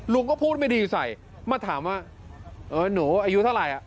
ลุงก็พูดไม่ดีใส่มาถามว่าเออหนูอายุเท่าไหร่อ่ะ